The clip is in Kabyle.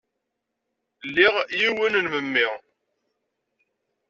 Liɣ yiwen n memmi.